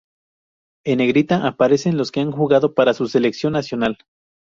En negrita aparecen los que han jugado para su selección nacional.